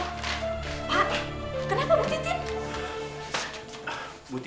pak kenapa bu titin